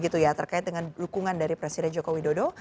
terkait dengan dukungan dari presiden joko widodo